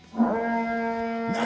何！？